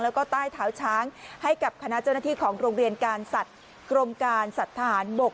แล้วก็ใต้เท้าช้างให้กับคณะเจ้าหน้าที่ของโรงเรียนการสัตว์กรมการสัตว์ทหารบก